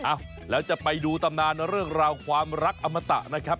อ้าวแล้วจะไปดูตำนานเรื่องราวความรักอมตะนะครับ